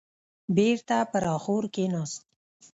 بېرته پر اخور کيناست.